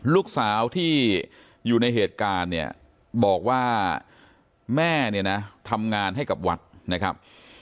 ลูกสาวที่อยู่ในเหตุการณ์เนี่ยบอกว่าแม่เนี่ยนะทำงานให้กับวัดนะครับ